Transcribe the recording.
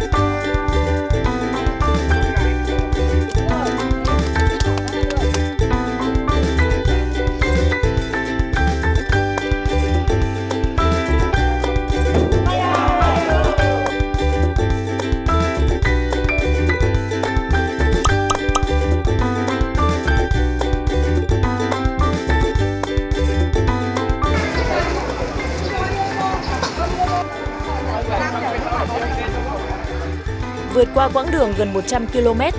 điều đáng như thế